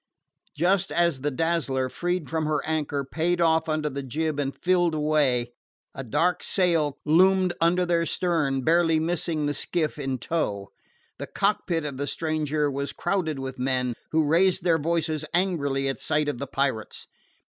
Just as the Dazzler, freed from her anchor, paid off under the jib and filled away, a dark sail loomed under their stern, barely missing the skiff in tow. The cockpit of the stranger was crowded with men, who raised their voices angrily at sight of the pirates.